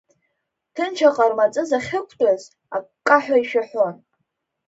Ҭынч аҟармаҵыс ахьықәтәаз, аккаҳәа ишәаҳәон.